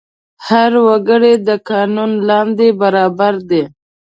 هر وګړی د قانون لاندې برابر دی.